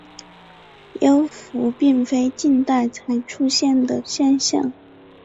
幽浮并非近代才出现的现象。